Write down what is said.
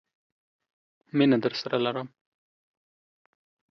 مينه درسره لرم.